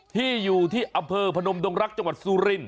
ที่อยู่ที่อำเภอพนมดงรักจังหวัดสุรินท